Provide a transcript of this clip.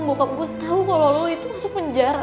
bokap gue tahu kalau lo itu masuk penjara